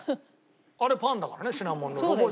あれパンだからねシナモンロール。